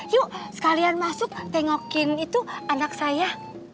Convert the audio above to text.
yuk sekalian masuk tengokin itu anak saya